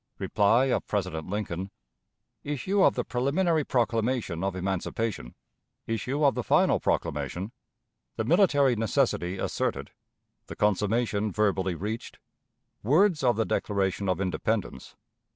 Reply of President Lincoln. Issue of the Preliminary Proclamation of Emancipation. Issue of the Final Proclamation. The Military Necessity asserted. The Consummation verbally reached. Words of the Declaration of Independence.